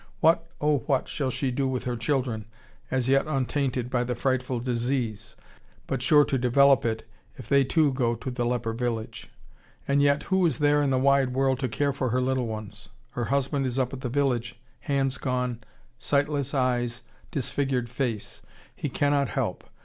What, oh what, shall she do with her children, as yet untainted by the frightful disease, but sure to develop it if they too go to the leper village? And yet who is there in the wide world to care for her little ones? Her husband is up at the village, hands gone, sightless eyes, disfigured face, he cannot help.